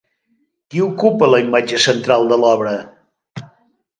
Qui ocupa la imatge central de l'obra?